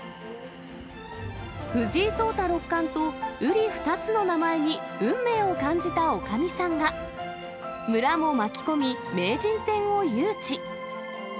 藤井聡太六冠とうり二つの名前に運命を感じたおかみさんが、村も巻き込み、名人戦を誘致。